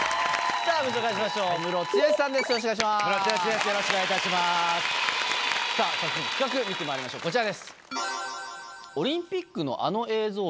さぁ早速企画見てまいりましょうこちらです。